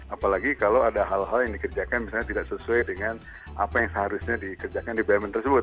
apalagi kalau ada hal hal yang dikerjakan misalnya tidak sesuai dengan apa yang seharusnya dikerjakan di bumn tersebut